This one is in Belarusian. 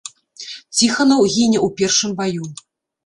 Ціханаў гіне ў першым баю.